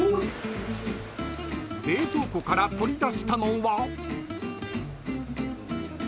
［冷蔵庫から取り出したのは］